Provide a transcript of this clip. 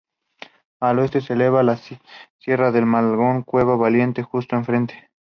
Al Oeste se eleva la sierra de Malagón con Cueva Valiente justo enfrente.